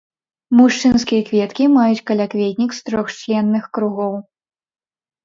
Мужчынскія кветкі маюць каля-кветнік з трохчленных кругоў.